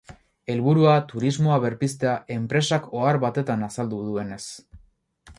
Helburua, turismoa berpiztea, enpresak ohar batetan azaldu duenez.